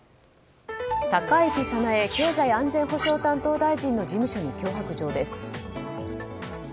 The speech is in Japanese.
高市早苗経済安全保障担当大臣の事務所に脅迫状です。